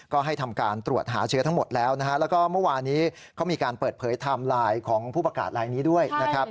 ก็ให้ทำการตรวจหาเชื้อทั้งหมดแล้วนะฮะแล้วก็เมื่อวานี้เขามีการเปิดเผยไทม์ไลน์ของผู้ประกาศลายนี้ด้วยนะครับ